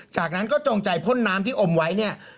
จากนั้นก็จงใจเฝ้นน้ำที่อมไว้